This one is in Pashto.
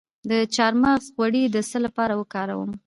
د چارمغز غوړي د څه لپاره وکاروم؟